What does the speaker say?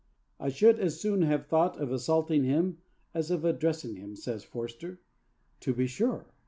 'I should as soon have thought of assaulting him as of addressing him,' says Forster. To be sure!